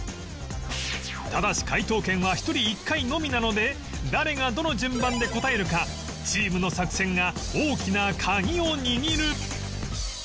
ただし解答権は１人１回のみなので誰がどの順番で答えるかチームの作戦が大きな鍵を握る